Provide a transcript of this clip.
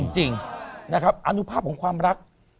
จริงนะครับอนุภาพของความรัก